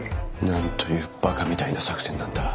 なんというバカみたいな作戦なんだ。